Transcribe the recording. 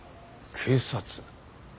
警察？